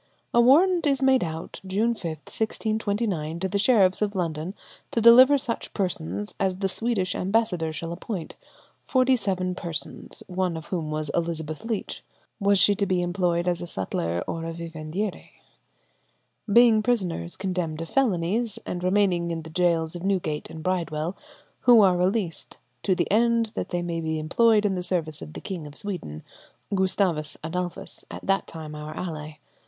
'" A warrant is made out June 5, 1629, to the sheriffs of London to deliver to such persons as the Swedish ambassador shall appoint, forty seven persons, of whom one was Elizabeth Leech (was she to be employed as a sutler or vivandière?), being prisoners condemned of felonies, and remaining in the gaols of Newgate and Bridewell, who are released "to the end that they may be employed in the service of the King of Sweden"—Gustavus Adolphus, at that time our ally.